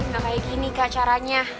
nah kayak gini kak caranya